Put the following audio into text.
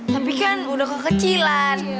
tapi kan udah kekecilan